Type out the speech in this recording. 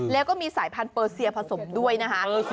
แล้วก็มีสายพันธุเปอร์เซียผสมด้วยนะคะ